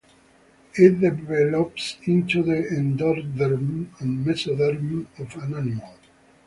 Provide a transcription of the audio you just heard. It develops into the endoderm and mesoderm of an animal.